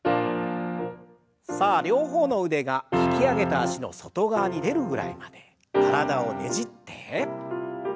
さあ両方の腕が引き上げた脚の外側に出るぐらいまで体をねじって。